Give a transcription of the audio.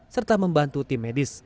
serta membantu tim medis